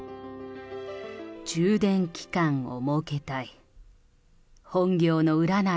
充電期間を設けたい。